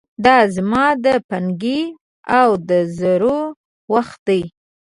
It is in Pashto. دا زمان د پانګې او د زرو وخت دی.